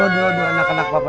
aduh aduh anak anak papa